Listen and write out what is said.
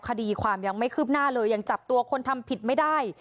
คดีความยังไม่คืบหน้าเลยยังจับตัวคนทำผิดไม่ได้